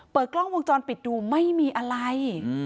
กล้องวงจรปิดดูไม่มีอะไร